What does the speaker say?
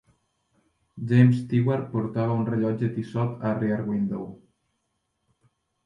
James Stewart portava un rellotge Tissot a 'Rear Window'.